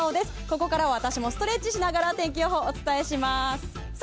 ここからは私もストレッチしながらお天気をお伝えします。